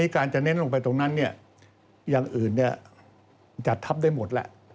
การจะเน้นลงไปตรงนั้นอย่างอื่นจัดทับได้หมดแล้ว